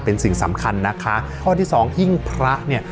เป็นสิ่งสำคัญนะคะข้อที่สองหิ้งพระเนี่ย